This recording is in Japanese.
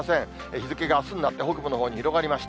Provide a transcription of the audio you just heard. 日付があすになって、北部のほうに広がりました。